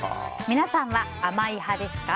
皆さんは、甘い派ですか？